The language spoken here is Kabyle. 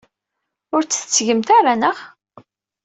Ur tt-tettgemt ara, naɣ?